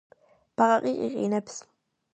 ბაყაყი ყიყინებს